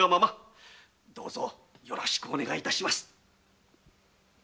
どうぞよろしくお願い致します。